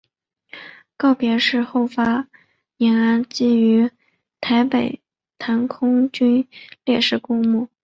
告别式后发引安厝于台北碧潭空军烈士公墓。